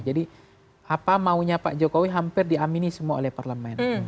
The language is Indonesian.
jadi apa maunya pak jokowi hampir diamini semua oleh parlemen